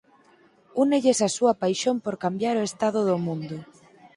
Únelles a súa paixón por cambiar o estado do mundo.